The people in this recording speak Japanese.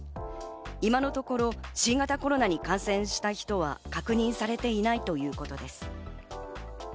今のところ新型コロナに感染した人は確認されていないということです。